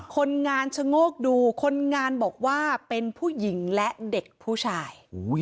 คนงานชะโงกดูคนงานบอกว่าเป็นผู้หญิงและเด็กผู้ชาย